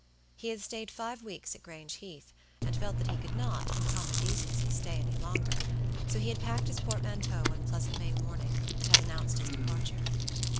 He had stayed five weeks at Grange Heath, and felt that he could not, in common decency, stay any longer; so he had packed his portmanteau one pleasant May morning, and had announced his departure.